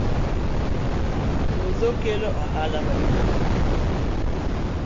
puodho kelo ohala ma duong